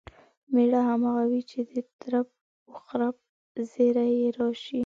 مېړه همغه وي چې د ترپ و خرپ زیري یې راشي.